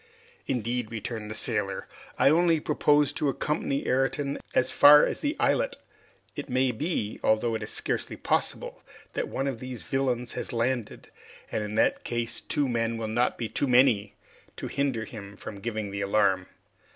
"Indeed," returned the sailor, "I only propose to accompany Ayrton as far as the islet. It may be, although it is scarcely possible, that one of these villains has landed, and in that case two men will not be too many to hinder him from giving the alarm.